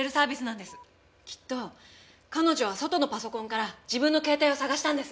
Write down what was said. きっと彼女は外のパソコンから自分の携帯を捜したんです。